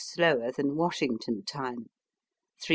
slower than Washington time ; 3h.